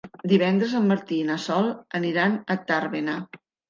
Divendres en Martí i na Sol aniran a Tàrbena.